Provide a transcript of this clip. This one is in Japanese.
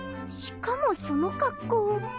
しかもその格好。